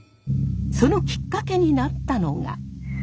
そのきっかけになったのが。